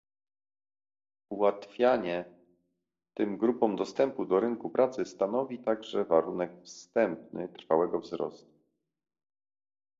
Ułatwianie tym grupom dostępu do rynku pracy stanowi także warunek wstępny trwałego wzrostu